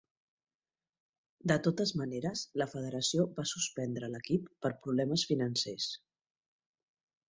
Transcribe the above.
De totes maneres, la federació va suspendre l'equip per problemes financers.